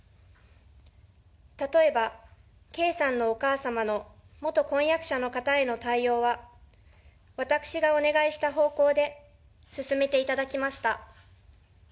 例えば圭さんのお母様の元婚約者の方への対応は、私がお願いした方向で進めていただきました。